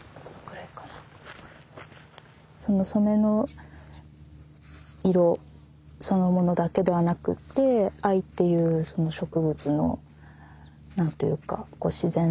その染めの色そのものだけではなくって藍っていうその植物の何て言うかこう自然の営み